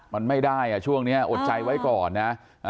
มันไม่ได้ช่วงนี้อดใจไว้ก่อนนะ